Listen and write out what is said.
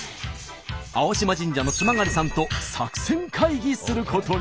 青島神社の津曲さんと作戦会議することに。